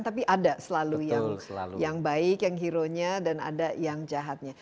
tapi ada selalu yang baik yang heronya dan ada yang jahatnya